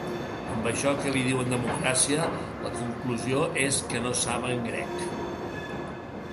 Amb això que li diuen democràcia, la conclusió és que no saben grec.